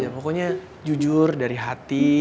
pokoknya jujur dari hati